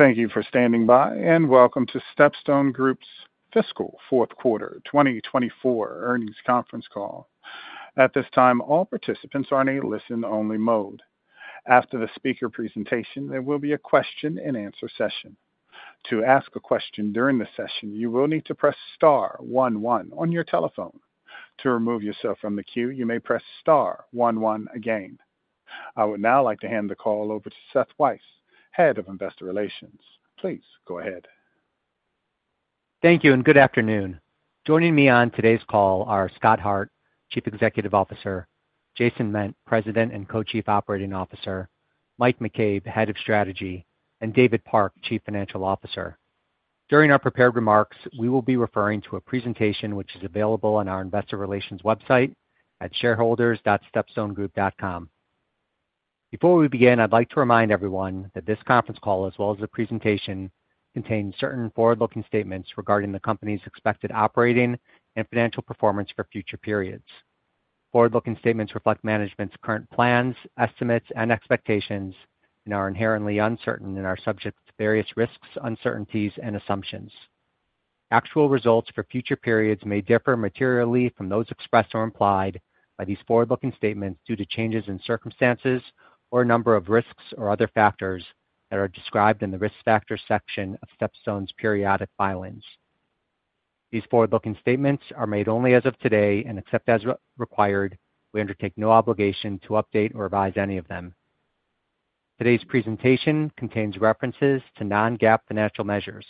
Thank you for standing by, and welcome to StepStone Group's fiscal fourth quarter 2024 earnings conference call. At this time, all participants are in a listen-only mode. After the speaker presentation, there will be a question-and-answer session. To ask a question during the session, you will need to press star one one on your telephone. To remove yourself from the queue, you may press star one one again. I would now like to hand the call over to Seth Weiss, Head of Investor Relations. Please go ahead. Thank you, and good afternoon. Joining me on today's call are Scott Hart, Chief Executive Officer, Jason Ment, President and Co-Chief Operating Officer, Mike McCabe, Head of Strategy, and David Park, Chief Financial Officer. During our prepared remarks, we will be referring to a presentation which is available on our investor relations website at shareholders.stepstonegroup.com. Before we begin, I'd like to remind everyone that this conference call, as well as the presentation, contains certain forward-looking statements regarding the company's expected operating and financial performance for future periods. Forward-looking statements reflect management's current plans, estimates, and expectations and are inherently uncertain and are subject to various risks, uncertainties and assumptions. Actual results for future periods may differ materially from those expressed or implied by these forward-looking statements due to changes in circumstances or a number of risks or other factors that are described in the Risk Factors section of StepStone's periodic filings. These forward-looking statements are made only as of today, and except as required, we undertake no obligation to update or revise any of them. Today's presentation contains references to non-GAAP financial measures.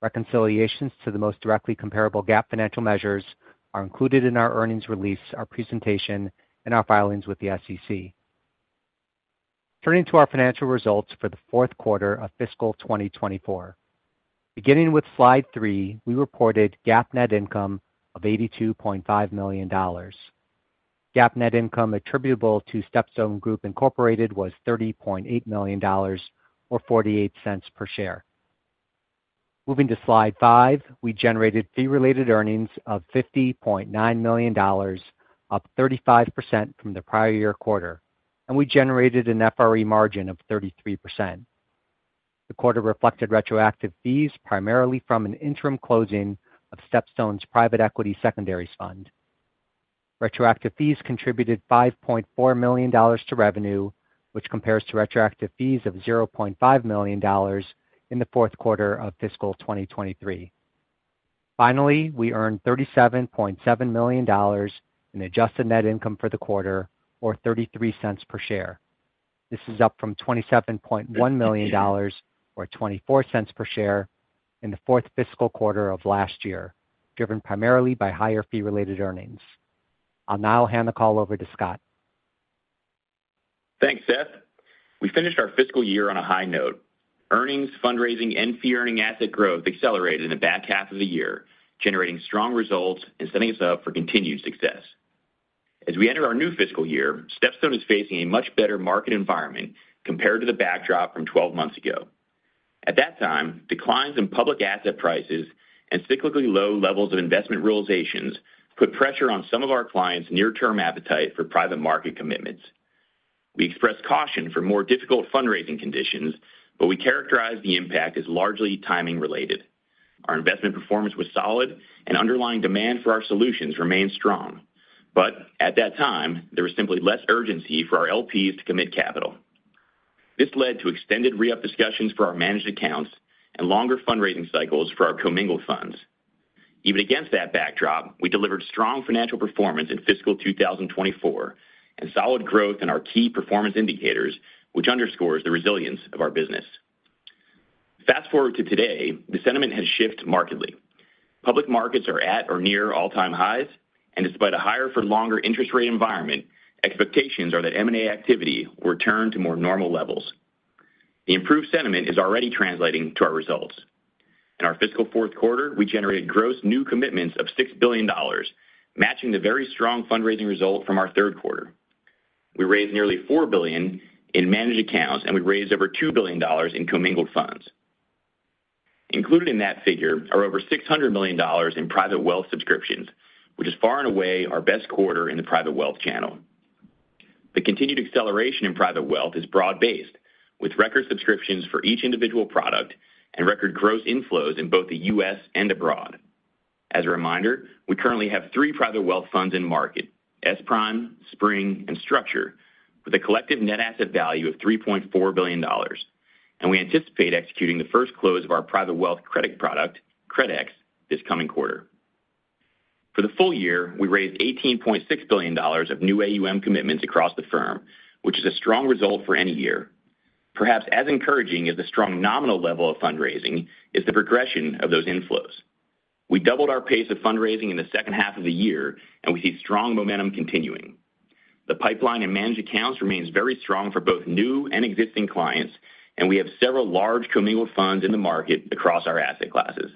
Reconciliations to the most directly comparable GAAP financial measures are included in our earnings release, our presentation, and our filings with the SEC. Turning to our financial results for the fourth quarter of fiscal 2024. Beginning with slide three, we reported GAAP net income of $82.5 million. GAAP net income attributable to StepStone Group, Incorporated, was $30.8 million or $0.48 per share. Moving to slide five, we generated fee-related earnings of $50.9 million, up 35% from the prior year quarter, and we generated an FRE margin of 33%. The quarter reflected retroactive fees, primarily from an interim closing of StepStone's private equity secondaries fund. Retroactive fees contributed $5.4 million to revenue, which compares to retroactive fees of $0.5 million in the fourth quarter of fiscal 2023. Finally, we earned $37.7 million in adjusted net income for the quarter, or $0.33 per share. This is up from $27.1 million, or $0.24 per share in the fourth fiscal quarter of last year, driven primarily by higher fee-related earnings. I'll now hand the call over to Scott. Thanks, Seth. We finished our fiscal year on a high note. Earnings, fundraising, and fee earning asset growth accelerated in the back half of the year, generating strong results and setting us up for continued success. As we enter our new fiscal year, StepStone is facing a much better market environment compared to the backdrop from 12 months ago. At that time, declines in public asset prices and cyclically low levels of investment realizations put pressure on some of our clients' near-term appetite for private market commitments. We expressed caution for more difficult fundraising conditions, but we characterized the impact as largely timing related. Our investment performance was solid, and underlying demand for our solutions remained strong. But at that time, there was simply less urgency for our LPs to commit capital. This led to extended re-up discussions for our managed accounts and longer fundraising cycles for our commingled funds. Even against that backdrop, we delivered strong financial performance in fiscal 2024 and solid growth in our key performance indicators, which underscores the resilience of our business. Fast forward to today, the sentiment has shifted markedly. Public markets are at or near all-time highs, and despite a higher for longer interest rate environment, expectations are that M&A activity will return to more normal levels. The improved sentiment is already translating to our results. In our fiscal fourth quarter, we generated gross new commitments of $6 billion, matching the very strong fundraising result from our third quarter. We raised nearly $4 billion in managed accounts, and we raised over $2 billion in commingled funds. Included in that figure are over $600 million in private wealth subscriptions, which is far and away our best quarter in the private wealth channel. The continued acceleration in private wealth is broad-based, with record subscriptions for each individual product and record gross inflows in both the U.S. and abroad. As a reminder, we currently have three private wealth funds in market, SPRIM, SPRING, and STRUCTURE, with a collective net asset value of $3.4 billion. We anticipate executing the first close of our private wealth credit product, CRDX, this coming quarter. For the full year, we raised $18.6 billion of new AUM commitments across the firm, which is a strong result for any year. Perhaps as encouraging as the strong nominal level of fundraising is the progression of those inflows. We doubled our pace of fundraising in the second half of the year, and we see strong momentum continuing. The pipeline in managed accounts remains very strong for both new and existing clients, and we have several large commingled funds in the market across our asset classes.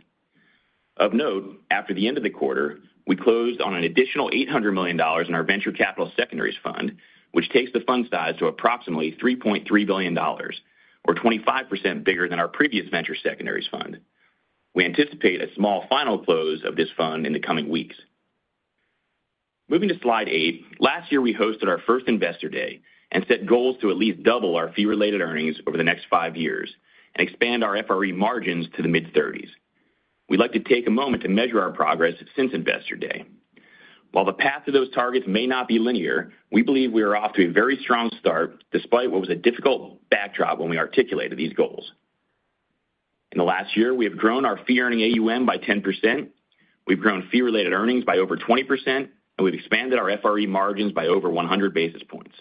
Of note, after the end of the quarter, we closed on an additional $800 million in our venture capital secondaries fund, which takes the fund size to approximately $3.3 billion, or 25% bigger than our previous venture secondaries fund. We anticipate a small final close of this fund in the coming weeks. Moving to slide eight, last year, we hosted our first Investor Day and set goals to at least double our fee-related earnings over the next five years and expand our FRE margins to the mid-30s. We'd like to take a moment to measure our progress since Investor Day. While the path to those targets may not be linear, we believe we are off to a very strong start, despite what was a difficult backdrop when we articulated these goals. In the last year, we have grown our fee-earning AUM by 10%, we've grown fee-related earnings by over 20%, and we've expanded our FRE margins by over 100 basis points.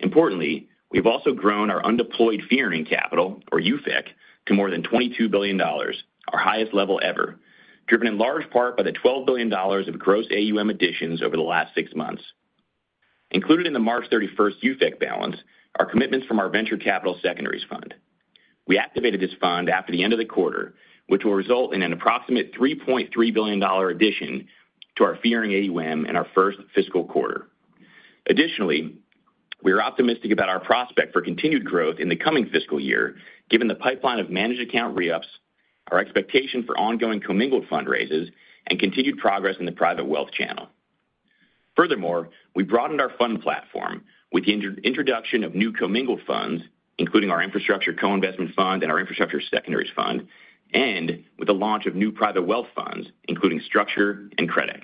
Importantly, we've also grown our undeployed fee-earning capital, or UFEC, to more than $22 billion, our highest level ever, driven in large part by the $12 billion of gross AUM additions over the last six months. Included in the March 31st UFEC balance, are commitments from our Venture Capital Secondaries Fund. We activated this fund after the end of the quarter, which will result in an approximate $3.3 billion addition to our fee-earning AUM in our first fiscal quarter. Additionally, we are optimistic about our prospects for continued growth in the coming fiscal year, given the pipeline of managed account re-ups, our expectation for ongoing commingled fund raises, and continued progress in the private wealth channel. Furthermore, we broadened our fund platform with the introduction of new commingled funds, including our infrastructure co-investment fund and our infrastructure secondaries fund, and with the launch of new private wealth funds, including STRUCTURE and CRDX.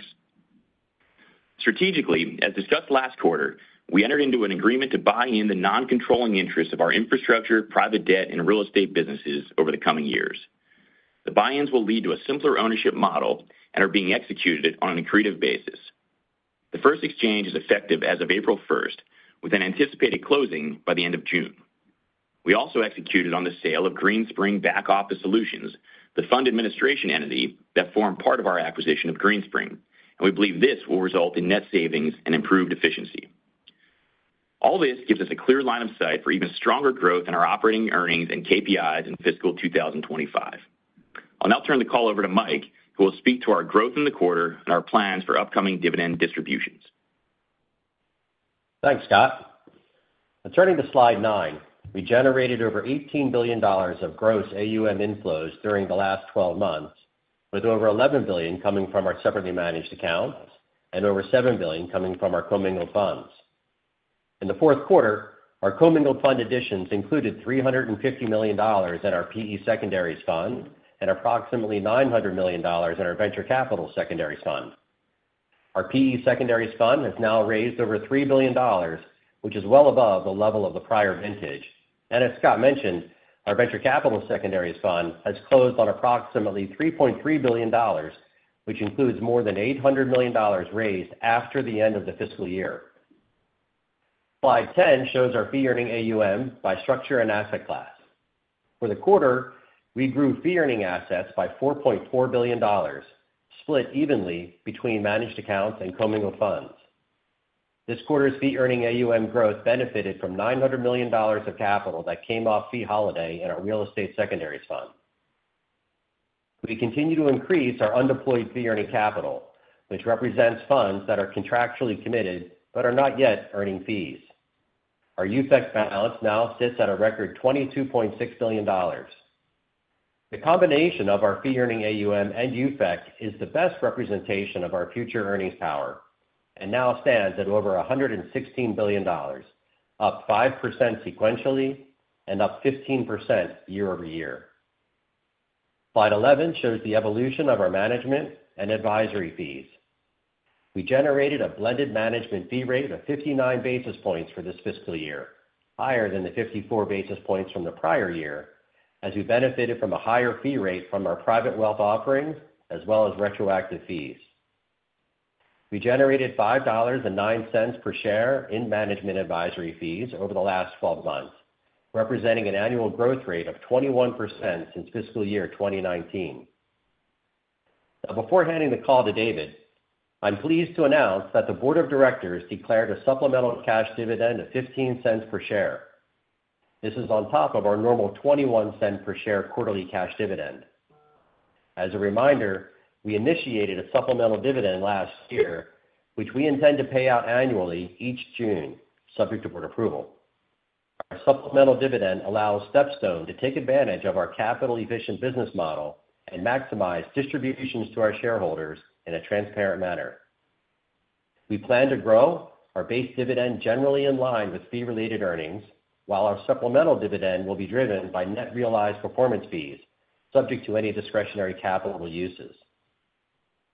Strategically, as discussed last quarter, we entered into an agreement to buy in the non-controlling interests of our infrastructure, private debt, and real estate businesses over the coming years. The buy-ins will lead to a simpler ownership model and are being executed on an accretive basis. The first exchange is effective as of April first, with an anticipated closing by the end of June. We also executed on the sale of Greenspring Back Office Solutions, the fund administration entity that formed part of our acquisition of Greenspring, and we believe this will result in net savings and improved efficiency. All this gives us a clear line of sight for even stronger growth in our operating earnings and KPIs in fiscal 2025. I'll now turn the call over to Mike, who will speak to our growth in the quarter and our plans for upcoming dividend distributions. Thanks, Scott. Turning to slide nine, we generated over $18 billion of gross AUM inflows during the last 12 months, with over $11 billion coming from our separately managed accounts and over $7 billion coming from our commingled funds. In the fourth quarter, our commingled fund additions included $350 million in our PE secondaries fund and approximately $900 million in our venture capital secondaries fund. Our PE secondaries fund has now raised over $3 billion, which is well above the level of the prior vintage. As Scott mentioned, our venture capital secondaries fund has closed on approximately $3.3 billion, which includes more than $800 million raised after the end of the fiscal year. slide 10 shows our fee-earning AUM by structure and asset class. For the quarter, we grew fee-earning assets by $4.4 billion, split evenly between managed accounts and commingled funds. This quarter's fee-earning AUM growth benefited from $900 million of capital that came off fee holiday in our real estate secondaries fund. We continue to increase our undeployed fee-earning capital, which represents funds that are contractually committed but are not yet earning fees. Our UFEC balance now sits at a record $22.6 billion. The combination of our fee-earning AUM and UFEC is the best representation of our future earnings power and now stands at over $116 billion, up 5% sequentially and up 15% year-over-year. Slide 11 shows the evolution of our management and advisory fees. We generated a blended management fee rate of 59 basis points for this fiscal year, higher than the 54 basis points from the prior year, as we benefited from a higher fee rate from our private wealth offerings, as well as retroactive fees. We generated $5.09 per share in management advisory fees over the last 12 months, representing an annual growth rate of 21% since fiscal year 2019. Now, before handing the call to David, I'm pleased to announce that the board of directors declared a supplemental cash dividend of $0.15 per share. This is on top of our normal $0.21 per share quarterly cash dividend. As a reminder, we initiated a supplemental dividend last year, which we intend to pay out annually each June, subject to board approval. Our supplemental dividend allows StepStone to take advantage of our capital-efficient business model and maximize distributions to our shareholders in a transparent manner. We plan to grow our base dividend generally in line with fee-related earnings, while our supplemental dividend will be driven by net realized performance fees, subject to any discretionary capital uses.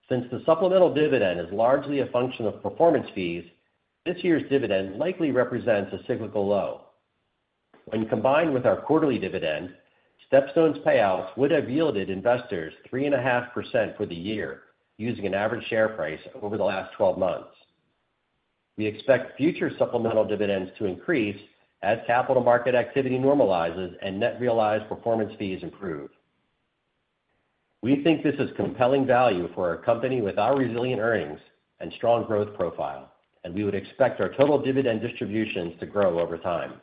Since the supplemental dividend is largely a function of performance fees, this year's dividend likely represents a cyclical low. When combined with our quarterly dividend, StepStone's payouts would have yielded investors 3.5% for the year, using an average share price over the last 12 months. We expect future supplemental dividends to increase as capital market activity normalizes and net realized performance fees improve. We think this is compelling value for our company with our resilient earnings and strong growth profile, and we would expect our total dividend distributions to grow over time.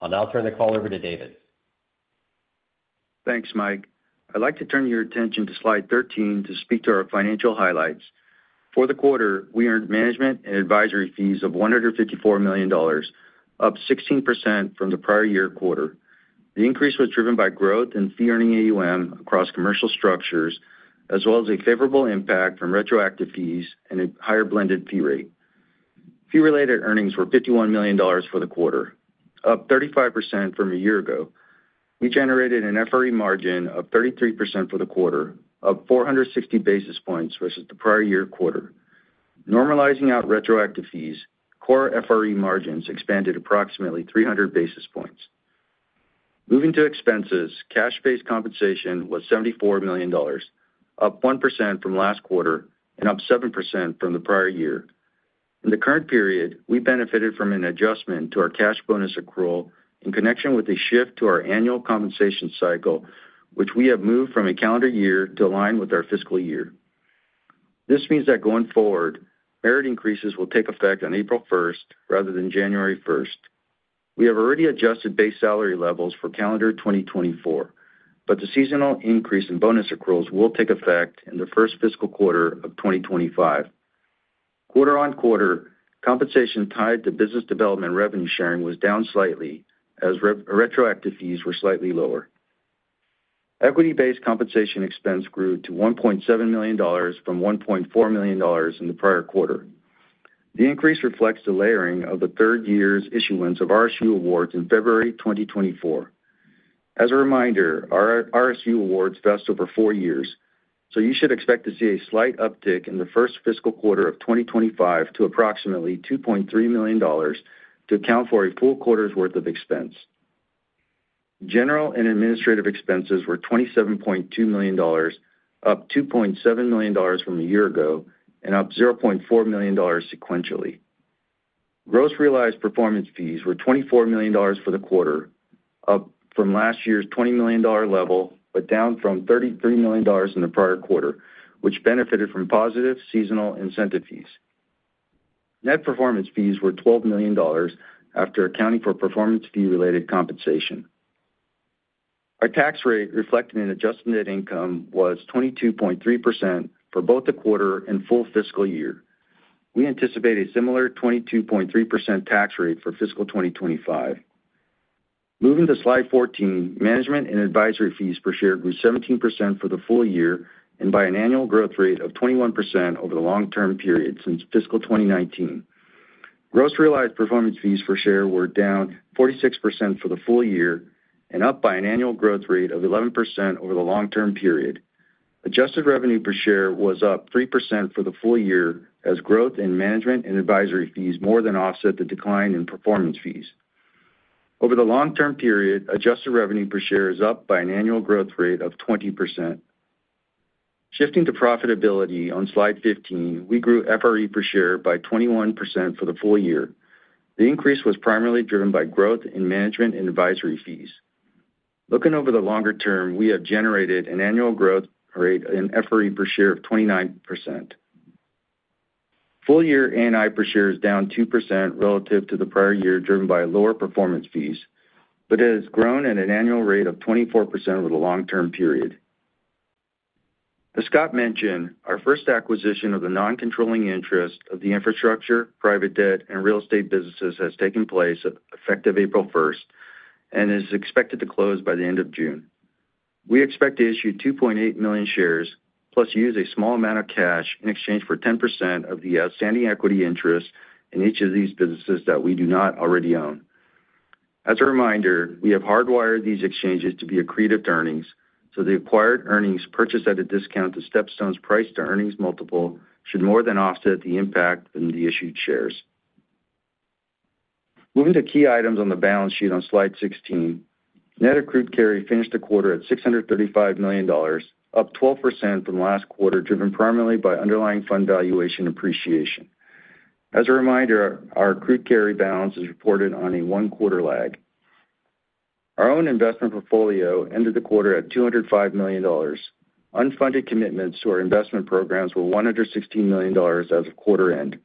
I'll now turn the call over to David. Thanks, Mike. I'd like to turn your attention to slide 13 to speak to our financial highlights. For the quarter, we earned management and advisory fees of $154 million, up 16% from the prior year quarter. The increase was driven by growth in fee-earning AUM across commingled structures, as well as a favorable impact from retroactive fees and a higher blended fee rate. Fee-related earnings were $51 million for the quarter, up 35% from a year ago. We generated an FRE margin of 33% for the quarter, up 460 basis points versus the prior year quarter. Normalizing out retroactive fees, core FRE margins expanded approximately 300 basis points. Moving to expenses, cash-based compensation was $74 million, up 1% from last quarter and up 7% from the prior year. In the current period, we benefited from an adjustment to our cash bonus accrual in connection with a shift to our annual compensation cycle, which we have moved from a calendar year to align with our fiscal year. This means that going forward, merit increases will take effect on April first rather than January first. We have already adjusted base salary levels for calendar 2024, but the seasonal increase in bonus accruals will take effect in the first fiscal quarter of 2025. Quarter-on-quarter, compensation tied to business development revenue sharing was down slightly as retroactive fees were slightly lower. Equity-based compensation expense grew to $1.7 million from $1.4 million in the prior quarter. The increase reflects the layering of the third year's issuance of RSU awards in February 2024. As a reminder, our RSU awards vest over four years, so you should expect to see a slight uptick in the first fiscal quarter of 2025 to approximately $2.3 million to account for a full quarter's worth of expense. General and administrative expenses were $27.2 million, up $2.7 million from a year ago and up $0.4 million sequentially. Gross realized performance fees were $24 million for the quarter, up from last year's $20 million dollar level, but down from $33 million in the prior quarter, which benefited from positive seasonal incentive fees. Net performance fees were $12 million after accounting for performance fee-related compensation. Our tax rate, reflecting an adjusted net income, was 22.3% for both the quarter and full fiscal year. We anticipate a similar 22.3% tax rate for fiscal 2025. Moving to slide 14, management and advisory fees per share grew 17% for the full year and by an annual growth rate of 21% over the long-term period since fiscal 2019. Gross realized performance fees per share were down 46% for the full year and up by an annual growth rate of 11% over the long-term period. Adjusted revenue per share was up 3% for the full year, as growth in management and advisory fees more than offset the decline in performance fees. Over the long-term period, adjusted revenue per share is up by an annual growth rate of 20%. Shifting to profitability on slide 15, we grew FRE per share by 21% for the full year. The increase was primarily driven by growth in management and advisory fees. Looking over the longer term, we have generated an annual growth rate in FRE per share of 29%. Full year ANI per share is down 2% relative to the prior year, driven by lower performance fees, but it has grown at an annual rate of 24% over the long-term period. As Scott mentioned, our first acquisition of the non-controlling interest of the infrastructure, private debt, and real estate businesses has taken place effective April first and is expected to close by the end of June. We expect to issue 2.8 million shares, plus use a small amount of cash in exchange for 10% of the outstanding equity interest in each of these businesses that we do not already own. As a reminder, we have hardwired these exchanges to be accretive to earnings, so the acquired earnings purchased at a discount to StepStone's price-to-earnings multiple should more than offset the impact from the issued shares. Moving to key items on the balance sheet on slide 16. Net Accrued Carry finished the quarter at $635 million, up 12% from last quarter, driven primarily by underlying fund valuation appreciation. As a reminder, our accrued carry balance is reported on a one-quarter lag. Our own investment portfolio ended the quarter at $205 million. Unfunded commitments to our investment programs were $116 million as of quarter end.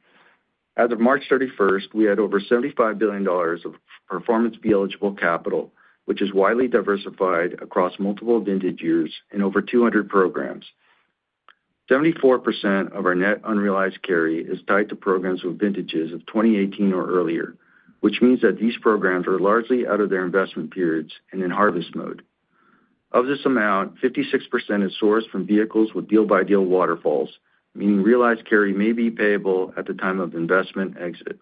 As of March 31st, we had over $75 billion of performance fee-eligible capital, which is widely diversified across multiple vintages and over 200 programs. 74% of our net unrealized carry is tied to programs with vintages of 2018 or earlier, which means that these programs are largely out of their investment periods and in harvest mode. Of this amount, 56% is sourced from vehicles with deal-by-deal waterfalls, meaning realized carry may be payable at the time of investment exit.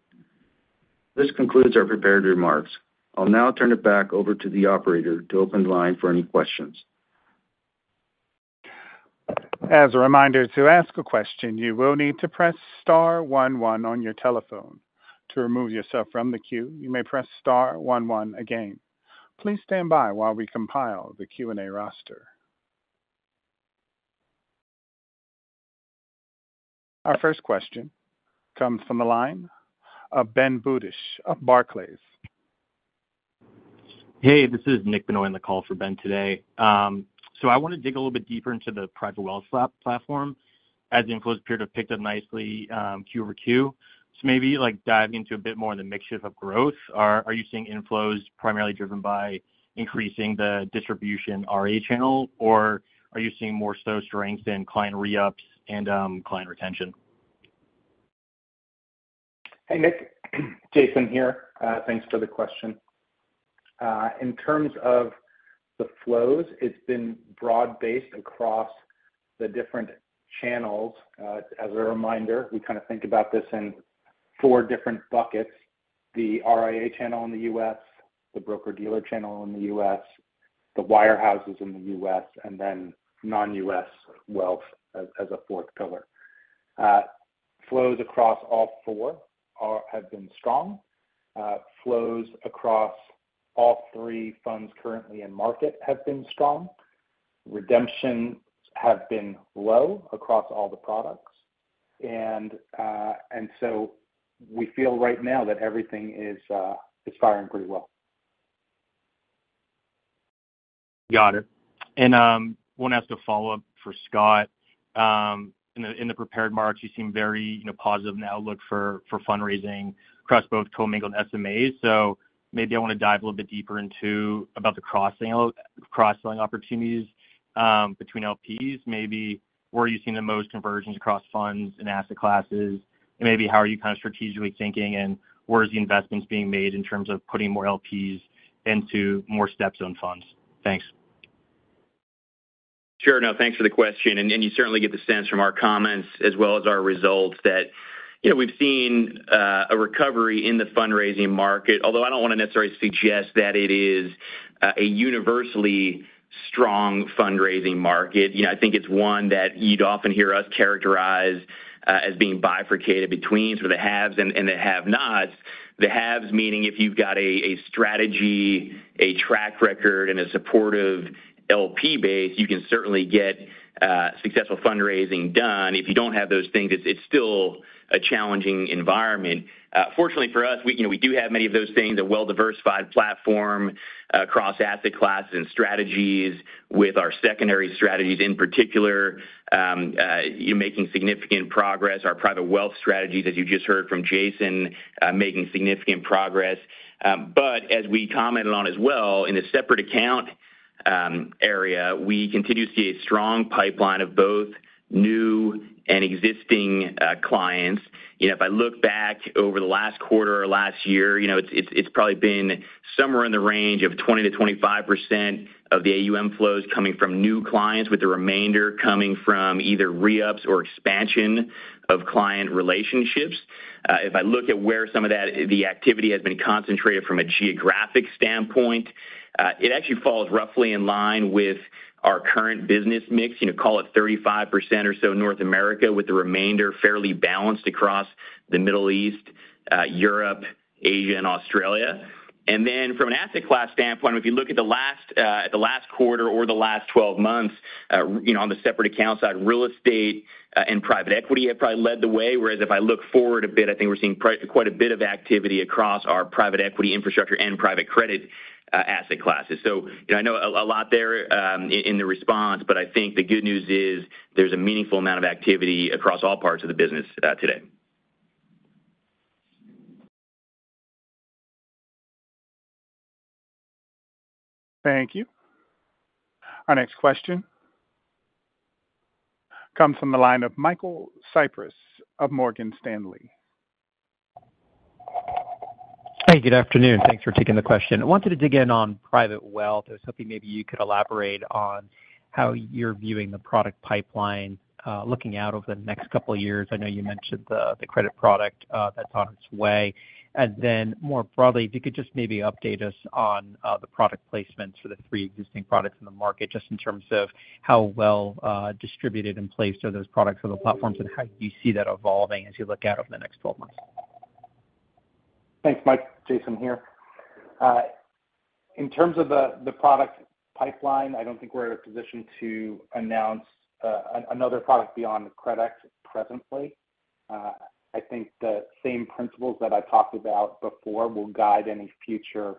This concludes our prepared remarks. I'll now turn it back over to the operator to open the line for any questions. As a reminder, to ask a question, you will need to press star one one on your telephone. To remove yourself from the queue, you may press star one one again. Please stand by while we compile the Q&A roster. Our first question comes from the line of Ben Budish of Barclays. Hey, this is Nick Benoit on the call for Ben today. So I want to dig a little bit deeper into the private wealth platform as the inflows appear to have picked up nicely, quarter-over-quarter. So maybe, like, dive into a bit more of the mix shift of growth. Are, are you seeing inflows primarily driven by increasing the distribution RIA channel, or are you seeing more so strength in client re-ups and, client retention? Hey, Nick, Jason here. Thanks for the question. In terms of the flows, it's been broad-based across the different channels. As a reminder, we kind of think about this in four different buckets: the RIA channel in the U.S., the broker-dealer channel in the U.S., the wirehouses in the U.S., and then non-U.S. wealth as a fourth pillar. Flows across all four have been strong. Flows across all three funds currently in market have been strong. Redemptions have been low across all the products. And so we feel right now that everything is firing pretty well. Got it. And, one last to follow up for Scott. In the prepared remarks, you seem very, you know, positive in the outlook for fundraising across both commingled SMAs. So maybe I want to dive a little bit deeper into the cross-selling opportunities between LPs. Maybe where are you seeing the most conversions across funds and asset classes? And maybe how are you kind of strategically thinking, and where is the investments being made in terms of putting more LPs into more StepStone funds? Thanks. Sure. No, thanks for the question. And you certainly get the sense from our comments as well as our results that, you know, we've seen a recovery in the fundraising market, although I don't want to necessarily suggest that it is a universally strong fundraising market. You know, I think it's one that you'd often hear us characterize as being bifurcated between sort of the haves and the have-nots. The haves, meaning if you've got a strategy, a track record, and a supportive LP base, you can certainly get successful fundraising done. If you don't have those things, it's still a challenging environment. Fortunately for us, we, you know, we do have many of those things, a well-diversified platform across asset classes and strategies with our secondary strategies, in particular, making significant progress. Our private wealth strategies, as you just heard from Jason, making significant progress. But as we commented on as well, in the separate account area, we continue to see a strong pipeline of both new and existing clients. You know, if I look back over the last quarter or last year, you know, it's probably been somewhere in the range of 20%-25% of the AUM flows coming from new clients, with the remainder coming from either re-ups or expansion of client relationships. If I look at where some of that, the activity has been concentrated from a geographic standpoint, it actually falls roughly in line with our current business mix. You know, call it 35% or so North America, with the remainder fairly balanced across the Middle East, Europe, Asia, and Australia. And then from an asset class standpoint, if you look at the last quarter or the last 12 months, you know, on the separate account side, real estate and private equity have probably led the way. Whereas if I look forward a bit, I think we're seeing quite a bit of activity across our private equity infrastructure and private credit asset classes. So, you know, I know a lot there in the response, but I think the good news is there's a meaningful amount of activity across all parts of the business today. Thank you. Our next question comes from the line of Michael Cyprys of Morgan Stanley. Hey, good afternoon. Thanks for taking the question. I wanted to dig in on private wealth. I was hoping maybe you could elaborate on how you're viewing the product pipeline, looking out over the next couple of years. I know you mentioned the credit product that's on its way. And then more broadly, if you could just maybe update us on the product placements for the 3 existing products in the market, just in terms of how well distributed in place are those products or the platforms, and how do you see that evolving as you look out over the next 12 months? Thanks, Mike. Jason here. In terms of the product pipeline, I don't think we're in a position to announce another product beyond the credit presently. I think the same principles that I talked about before will guide any future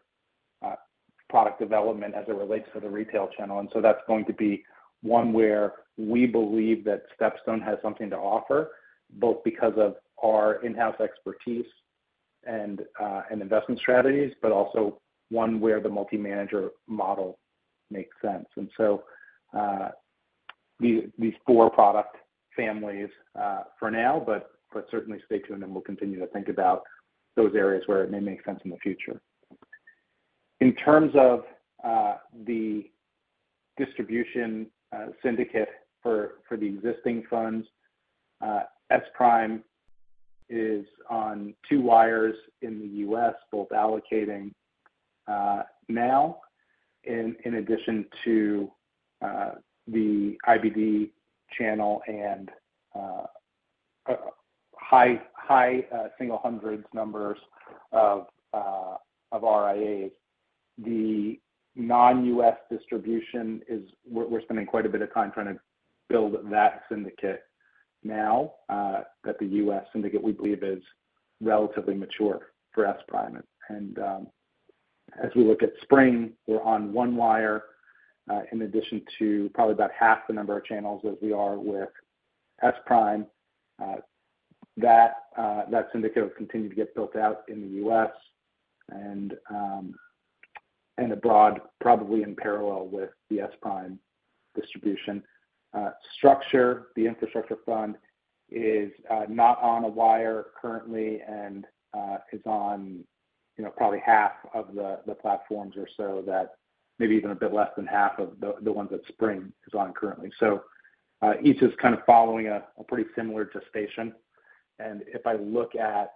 product development as it relates to the retail channel. And so that's going to be one where we believe that StepStone has something to offer, both because of our in-house expertise and investment strategies, but also one where the multi-manager model makes sense. And so these four product families for now, but certainly stay tuned, and we'll continue to think about those areas where it may make sense in the future. In terms of the distribution syndicate for the existing funds, SPRIM is on two wires in the U.S., both allocating now, in addition to the IBD channel and high single hundreds numbers of RIAs. The non-U.S. distribution is. We're spending quite a bit of time trying to build that syndicate now that the U.S. syndicate, we believe, is relatively mature for SPRIM. And as we look at SPRING, we're on one wire, in addition to probably about half the number of channels as we are with SPRIM. That syndicate will continue to get built out in the U.S. And abroad, probably in parallel with the SPRIM distribution, STRUCTURE. The infrastructure fund is not on a wirehouse currently and is on, you know, probably half of the platforms or so that maybe even a bit less than half of the ones that SPRING is on currently. So, each is kind of following a pretty similar gestation. And if I look at,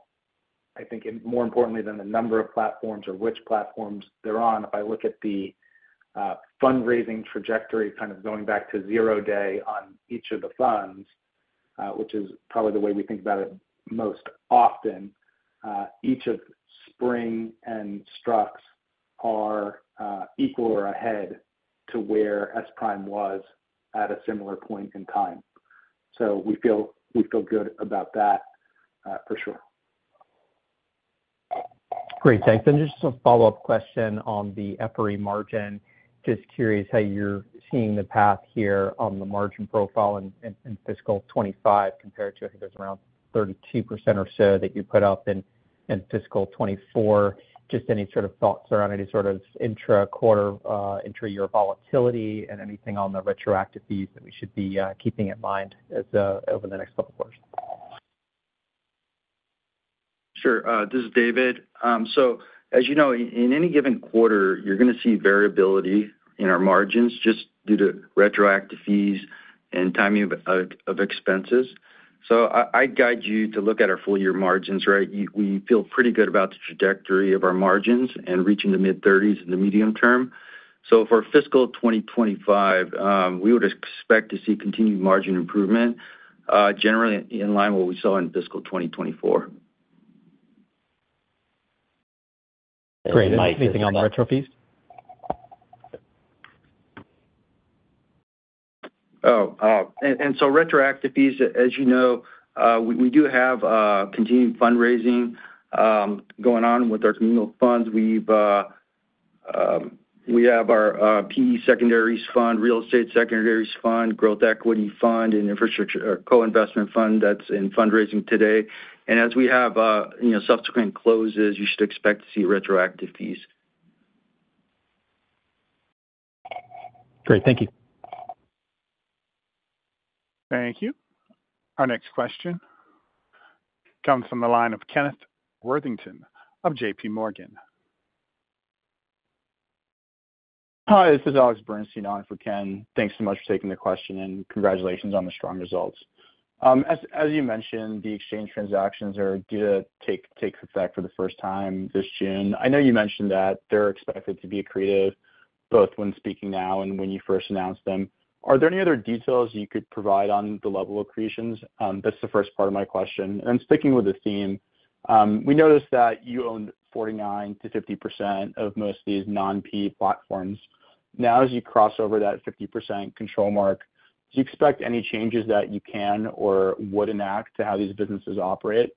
I think, more importantly than the number of platforms or which platforms they're on, if I look at the fundraising trajectory, kind of going back to zero day on each of the funds, which is probably the way we think about it most often, each of SPRING and STRUCT are equal or ahead to where SPRIM was at a similar point in time. We feel good about that, for sure. Great, thanks. And just a follow-up question on the FRE margin. Just curious how you're seeing the path here on the margin profile in fiscal 2025 compared to, I think, there's around 32% or so that you put up in fiscal 2024. Just any sort of thoughts around any sort of intra-quarter, intra-year volatility and anything on the retroactive fees that we should be keeping in mind as over the next couple of quarters? Sure. This is David. So as you know, in any given quarter, you're gonna see variability in our margins, just due to retroactive fees and timing of expenses. So I'd guide you to look at our full year margins, right? We feel pretty good about the trajectory of our margins and reaching the mid-30s in the medium term. So for fiscal 2025, we would expect to see continued margin improvement, generally in line with what we saw in fiscal 2024. Great. Anything on the retro fees? Retroactive fees, as you know, we do have continued fundraising going on with our commingled funds. We have our PE secondaries fund, real estate secondaries fund, growth equity fund, and infrastructure co-investment fund that's in fundraising today. And as we have, you know, subsequent closes, you should expect to see retroactive fees. Great. Thank you. Thank you. Our next question comes from the line of Kenneth Worthington of JPMorgan. Hi, this is Alex Bernstein on for Ken. Thanks so much for taking the question, and congratulations on the strong results. As you mentioned, the exchange transactions are due to take effect for the first time this June. I know you mentioned that they're expected to be accretive, both when speaking now and when you first announced them. Are there any other details you could provide on the level of accretions? That's the first part of my question. And sticking with the theme, we noticed that you owned 49%-50% of most of these non-PE platforms. Now, as you cross over that 50% control mark, do you expect any changes that you can or would enact to how these businesses operate?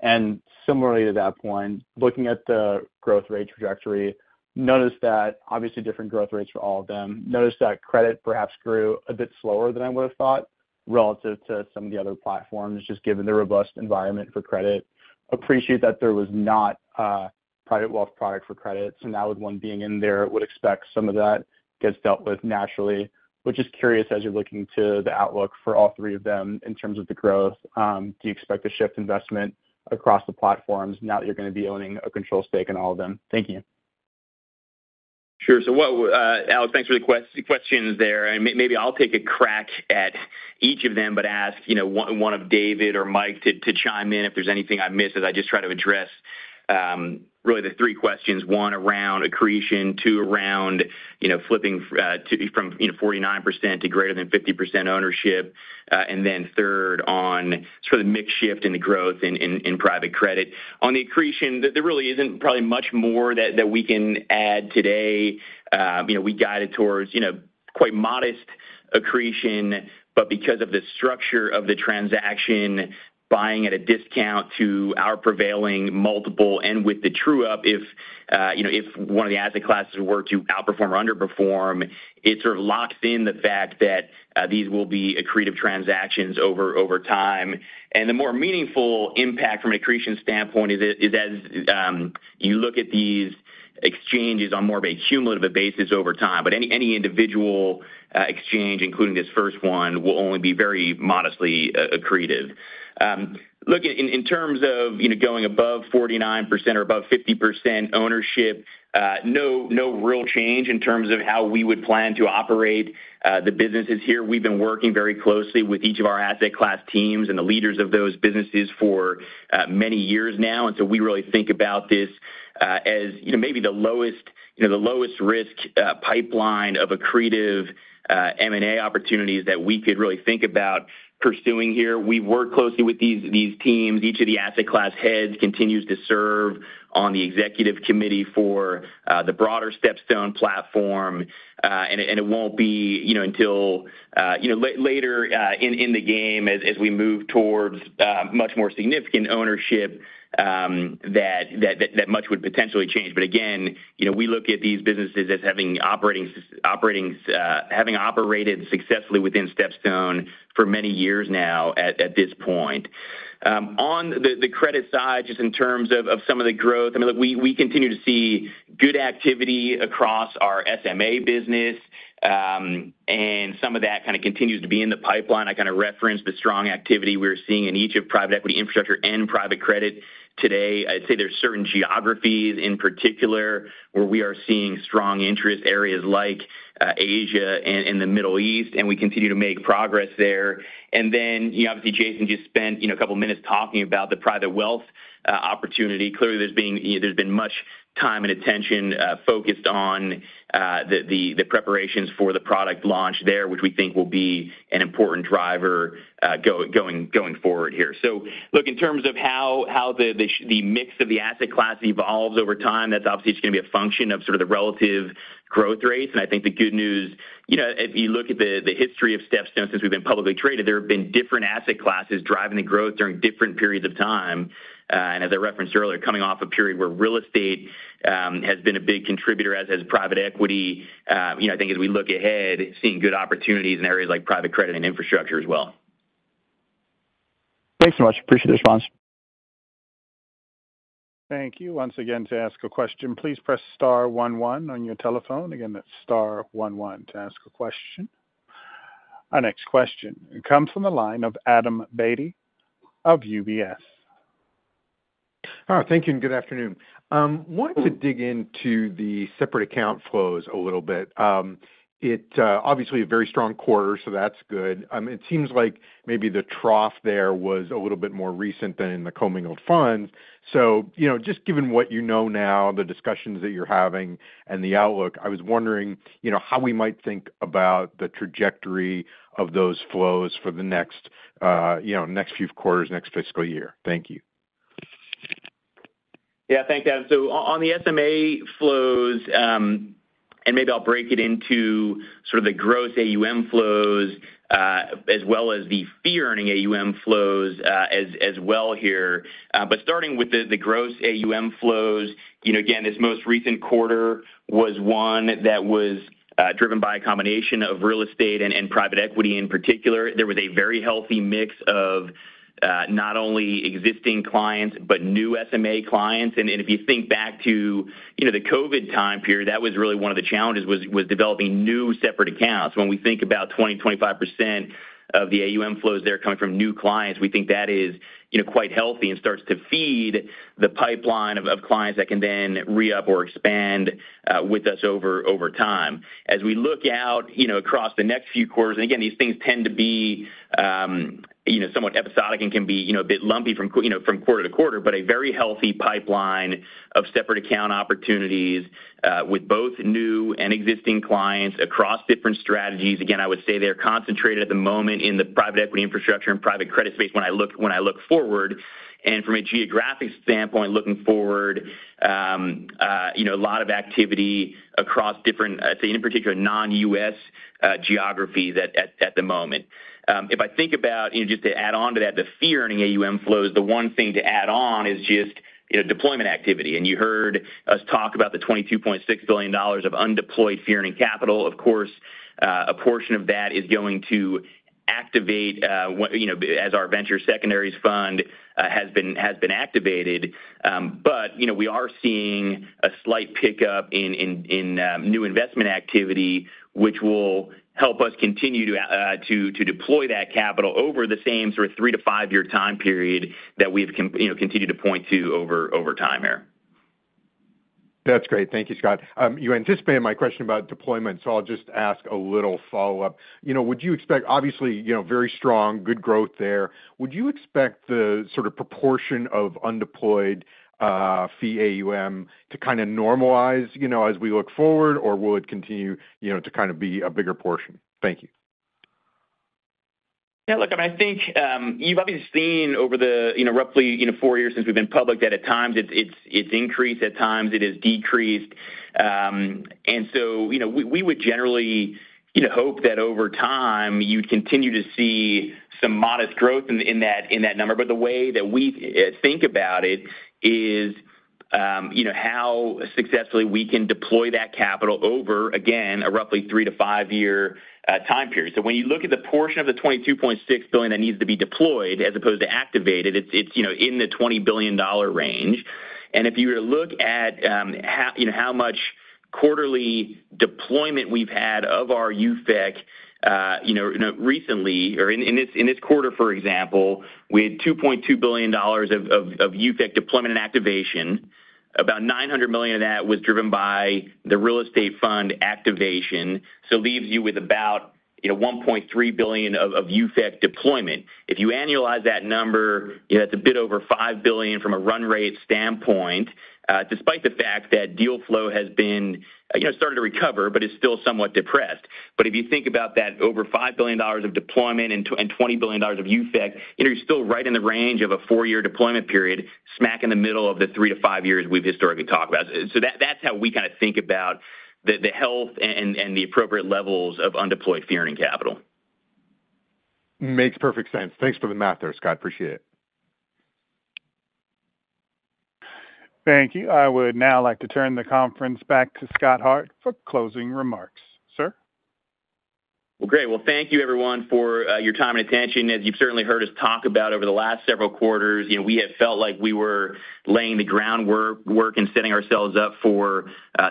And similarly to that point, looking at the growth rate trajectory, noticed that obviously different growth rates for all of them. Noticed that credit perhaps grew a bit slower than I would have thought, relative to some of the other platforms, just given the robust environment for credit. Appreciate that there was not a private wealth product for credit, so now with one being in there, would expect some of that gets dealt with naturally. Which is curious, as you're looking to the outlook for all three of them in terms of the growth, do you expect to shift investment across the platforms now that you're gonna be owning a control stake in all of them? Thank you. Sure. So what, Alex, thanks for the questions there, and maybe I'll take a crack at each of them, but ask, you know, one of David or Mike to chime in if there's anything I miss, as I just try to address really the three questions, one, around accretion, two, around, you know, flipping to from, you know, 49% to greater than 50% ownership, and then third, on sort of the mix shift and the growth in private credit. On the accretion, there really isn't probably much more that we can add today. You know, we guided towards, you know, quite modest accretion, but because of the structure of the transaction, buying at a discount to our prevailing multiple and with the true up, if, you know, if one of the asset classes were to outperform or underperform, it sort of locks in the fact that these will be accretive transactions over time. And the more meaningful impact from an accretion standpoint is that, as you look at these exchanges on more of a cumulative basis over time, but any individual exchange, including this first one, will only be very modestly accretive. Look, in terms of, you know, going above 49% or above 50% ownership, no real change in terms of how we would plan to operate the businesses here. We've been working very closely with each of our asset class teams and the leaders of those businesses for many years now, and so we really think about this as, you know, maybe the lowest, you know, the lowest risk pipeline of accretive M&A opportunities that we could really think about pursuing here. We work closely with these teams. Each of the asset class heads continues to serve on the executive committee for the broader StepStone platform. And it won't be, you know, until later in the game as we move towards much more significant ownership that much would potentially change. But again, you know, we look at these businesses as having operating, having operated successfully within StepStone for many years now at this point. On the credit side, just in terms of some of the growth, I mean, look, we continue to see good activity across our SMA business, and some of that kind of continues to be in the pipeline. I kind of referenced the strong activity we're seeing in each of private equity, infrastructure, and private credit today. I'd say there's certain geographies in particular where we are seeing strong interest areas like, Asia and in the Middle East, and we continue to make progress there. And then, you know, obviously, Jason just spent, you know, a couple of minutes talking about the private wealth opportunity. Clearly, there's been, you know, much time and attention focused on the preparations for the product launch there, which we think will be an important driver going forward here. So look, in terms of how the mix of the asset class evolves over time, that's obviously it's gonna be a function of sort of the relative growth rates. And I think the good news, you know, if you look at the history of StepStone since we've been publicly traded, there have been different asset classes driving the growth during different periods of time. And as I referenced earlier, coming off a period where real estate has been a big contributor, as has private equity. You know, I think as we look ahead, seeing good opportunities in areas like private credit and infrastructure as well. Thanks so much. Appreciate the response. Thank you. Once again, to ask a question, please press star one one on your telephone. Again, that's star one one to ask a question. Our next question comes from the line of Adam Beatty of UBS. Thank you, and good afternoon. Wanted to dig into the separate account flows a little bit. It obviously a very strong quarter, so that's good. It seems like maybe the trough there was a little bit more recent than in the commingled funds. So, you know, just given what you know now, the discussions that you're having and the outlook, I was wondering, you know, how we might think about the trajectory of those flows for the next, you know, next few quarters, next fiscal year. Thank you. Yeah, thanks, Adam. So on the SMA flows, and maybe I'll break it into sort of the gross AUM flows, as well as the fee-earning AUM flows, as well here. But starting with the gross AUM flows, you know, again, this most recent quarter was one that was driven by a combination of real estate and private equity in particular. There was a very healthy mix of not only existing clients but new SMA clients. And if you think back to, you know, the COVID time period, that was really one of the challenges, was developing new separate accounts. When we think about 20%-25% of the AUM flows there coming from new clients, we think that is, you know, quite healthy and starts to feed the pipeline of clients that can then re-up or expand with us over time. As we look out, you know, across the next few quarters and again, these things tend to be, you know, somewhat episodic and can be, you know, a bit lumpy from quarter to quarter, but a very healthy pipeline of separate account opportunities with both new and existing clients across different strategies. Again, I would say they're concentrated at the moment in the private equity infrastructure and private credit space when I look forward. From a geographic standpoint, looking forward, you know, a lot of activity across different, say, in particular, non-U.S. geographies at the moment. If I think about, you know, just to add on to that, the fee-earning AUM flows, the one thing to add on is just, you know, deployment activity. You heard us talk about the $22.6 billion of undeployed fee-earning capital. Of course, a portion of that is going to activate, you know, as our venture secondaries fund has been activated. But, you know, we are seeing a slight pickup in new investment activity, which will help us continue to deploy that capital over the same sort of three-to-five-year time period that we've, you know, continued to point to over time here. That's great. Thank you, Scott. You anticipated my question about deployment, so I'll just ask a little follow-up. You know, would you expect... Obviously, you know, very strong, good growth there. Would you expect the sort of proportion of undeployed, fee AUM to kinda normalize, you know, as we look forward, or will it continue, you know, to kind of be a bigger portion? Thank you. Yeah, look, I mean, I think you've obviously seen over the, you know, roughly, you know, four years since we've been public, that at times it's increased, at times it has decreased. And so, you know, we would generally, you know, hope that over time, you'd continue to see some modest growth in that number. But the way that we think about it is, you know, how successfully we can deploy that capital over, again, a roughly three-to-five-year time period. So when you look at the portion of the $22.6 billion that needs to be deployed as opposed to activated, it's in the $20 billion range. If you were to look at how, you know, how much quarterly deployment we've had of our UFEC, you know, you know, recently or in this quarter, for example, we had $2.2 billion of UFEC deployment and activation. About $900 million of that was driven by the real estate fund activation. So leaves you with about, you know, $1.3 billion of UFEC deployment. If you annualize that number, you know, that's a bit over $5 billion from a run rate standpoint, despite the fact that deal flow has been, you know, starting to recover but is still somewhat depressed. But if you think about that, over $5 billion of deployment and $20 billion of UFEC, you know, you're still right in the range of a four-year deployment period, smack in the middle of the three to five years we've historically talked about. So that, that's how we kinda think about the health and the appropriate levels of undeployed fee-earning capital. Makes perfect sense. Thanks for the math there, Scott. Appreciate it. Thank you. I would now like to turn the conference back to Scott Hart for closing remarks. Sir? Well, great. Well, thank you everyone for your time and attention. As you've certainly heard us talk about over the last several quarters, you know, we have felt like we were laying the groundwork and setting ourselves up for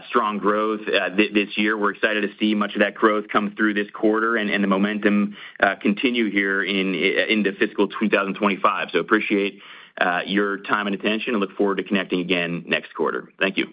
strong growth this year. We're excited to see much of that growth come through this quarter and the momentum continue here in the fiscal 2025. So appreciate your time and attention and look forward to connecting again next quarter. Thank you.